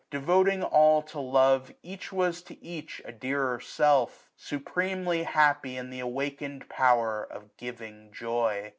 Devoting all To love, each was to each a dearer self j Supremely happy in th' awakened power Of giving joy.